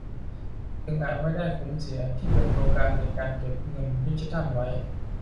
จึงอาจได้ไม่คุ้มเสีย ที่เป็นตัวกลางในการเก็บเงินดิจิทัลเอาไว้